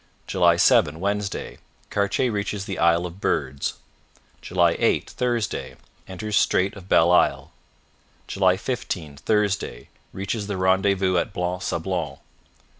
July 7 Wednesday Cartier reaches the Isle of Birds. " 8 Thursday Enters Strait of Belle Isle. " 15 Thursday Reaches the rendezvous at Blanc Sablon.